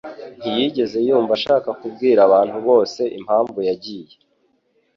ntiyigeze yumva ashaka kubwira abantu bose impamvu yagiye.